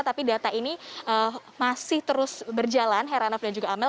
tapi data ini masih terus berjalan heranov dan juga amel